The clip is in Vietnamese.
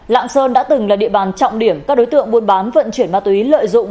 lạng sơn đã từng là địa bàn trọng điểm các đối tượng buôn bán vận chuyển ma túy lợi dụng